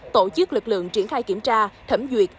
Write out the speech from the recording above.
tổ chức lực lượng triển khai kiểm tra thẩm duyệt